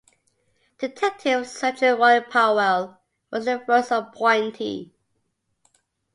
Detective Sergeant Roy Powell was the first appointee.